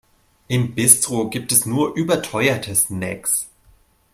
Im Bistro gibt es nur überteuerte Snacks.